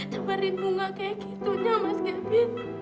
temerinmu nggak kayak gitunya mas kevin